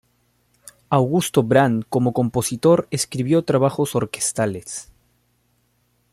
Augusto Brandt como compositor escribió trabajos orquestales.